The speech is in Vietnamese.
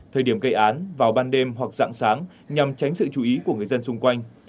thời điểm gây án vào ban đêm hoặc dạng sáng nhằm tránh sự chú ý của người dân xung quanh